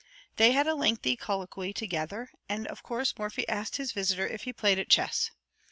They had a lengthy colloquy together, and of course Morphy asked his visitor if he played at chess.